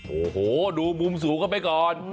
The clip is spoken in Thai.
โอ้โหดูมุมสูงเข้าไปก่อน